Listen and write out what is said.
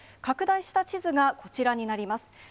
拡大した地図がこちらになります。